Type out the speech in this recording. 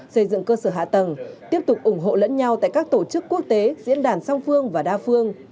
xây dựng cơ sở hạ tầng tiếp tục ủng hộ lẫn nhau tại các tổ chức quốc tế diễn đàn song phương và đa phương